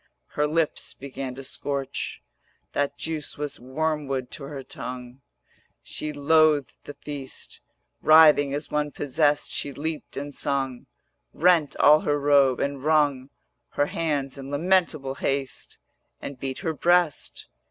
Her lips began to scorch, That juice was wormwood to her tongue, She loathed the feast: Writhing as one possessed she leaped and sung, Rent all her robe, and wrung Her hands in lamentable haste, And beat her breast.